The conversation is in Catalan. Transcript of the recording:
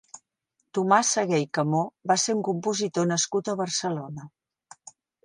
Tomàs Sagué i Camó va ser un compositor nascut a Barcelona.